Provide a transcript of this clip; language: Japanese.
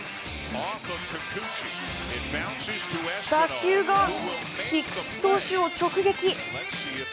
打球が菊池投手を直撃。